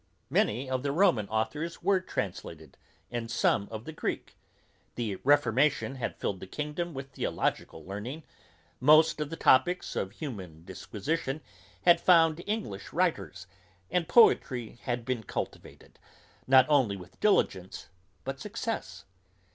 Many of the Roman authours were translated, and some of the Greek; the reformation had filled the kingdom with theological learning; most of the topicks of human disquisition had found English writers; and poetry had been cultivated, not only with diligence, but success.